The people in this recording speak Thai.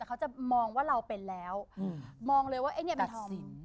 แต่เขาจะมองว่าเราเป็นแล้วมองเลยว่าเอ๊ะเนี่ยเป็นธอม